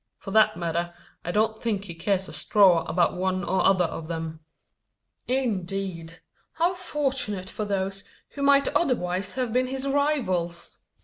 For that matter, I don't think he cares a straw about one or other of them." "Indeed! How fortunate for those, who might otherwise have been his rivals!"